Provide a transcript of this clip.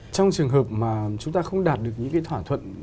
trong trường hợp mà chúng ta không đạt được những cái thỏa thuận